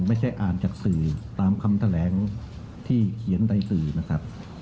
ไม่ใช่อ่านจากสื่อตามคำแถลงที่เขียนในสื่อนะครับ